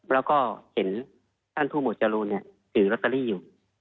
แล้วก็เห็นท่านผู้หมวดจรูนถือลอตเตอรี่อยู่